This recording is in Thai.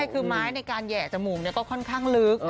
คือไม้ในการแห่จมูกก็ค่อนข้างลึก